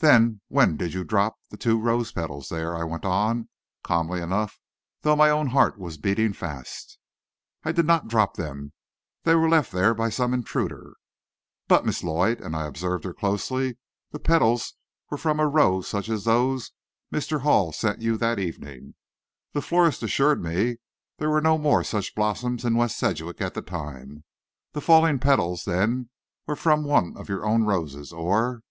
"Then when did you drop the two rose petals there?" I went on, calmly enough, though my own heart was beating fast. "I did not drop them. They were left there by some intruder." "But, Miss Lloyd," and I observed her closely, "the petals were from a rose such as those Mr. Hall sent you that evening. The florist assures me there were no more such blossoms in West Sedgwick at that time. The fallen petals, then, were from one of your own roses, or " "Or?"